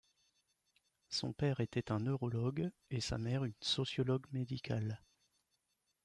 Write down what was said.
Son père était un neurologue et sa mère, une sociologue médicale.